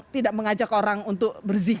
tidak mengajak orang untuk